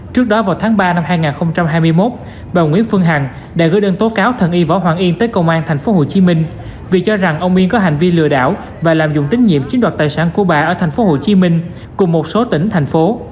trước đó vào tháng ba năm hai nghìn hai mươi một bà nguyễn phương hằng đã gửi đơn tố cáo thần y võ hoàng yên tới công an tp hcm vì cho rằng ông miên có hành vi lừa đảo và lạm dụng tín nhiệm chiếm đoạt tài sản của bà ở tp hcm cùng một số tỉnh thành phố